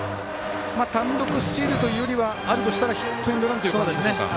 単独スチールというよりはあるとしたら、ヒットエンドランというところでしょうか。